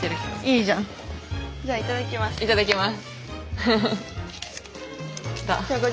いただきます。